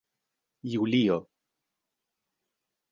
julio